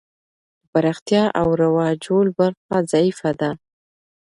د پراختیا او رواجول برخه ضعیفه ده.